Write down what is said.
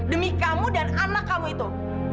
demi kamu dan anak kamu itu